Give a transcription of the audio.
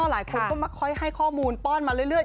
หลายคนก็มาค่อยให้ข้อมูลป้อนมาเรื่อย